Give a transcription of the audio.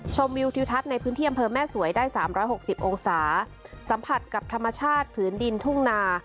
ชมวิวทิวทัศน์ในพื้นเที่ยมเพิ่มแม่สวยได้สามร้อยหกสิบองศาสัมผัสกับธรรมชาติผืนดินทุ่งนา